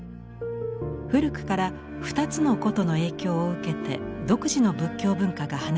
古くから２つの古都の影響を受けて独自の仏教文化が花開きました。